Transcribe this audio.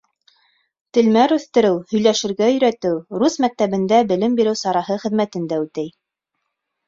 Телмәр үҫтереү, һөйләшергә өйрәтеү рус мәктәбендә белем биреү сараһы хеҙмәтен дә үтәй.